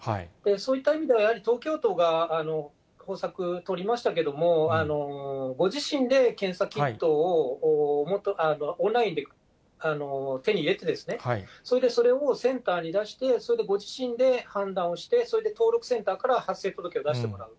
そういった意味では、やはり東京都が方策取りましたけども、ご自身で検査キットをオンラインで手に入れて、それで、それをセンターに出して、それでご自身で判断をして、それで登録センターから発生届を出してもらう。